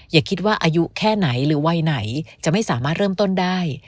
อย่าคิดว่าอายุแค่ไหนหรือวัยไหนจะไม่สามารถเริ่มต้นได้